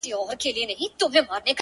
له خپل یار سره روان سو دوکاندار ته-